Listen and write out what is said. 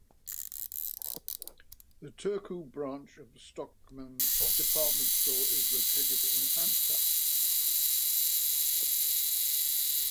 The Turku branch of the Stockmann department store is located in Hansa.